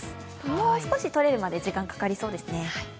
もう少しとれるまで、時間がかかりそうですね。